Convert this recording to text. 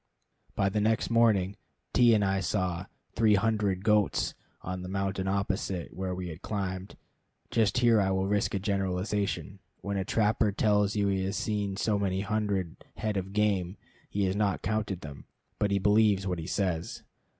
By ten next morning T and I saw "three hundred" goats on the mountain opposite where we had climbed. Just here I will risk a generalization. When a trapper tells you he has seen so many hundred head of game, he has not counted them, but he believes what he says.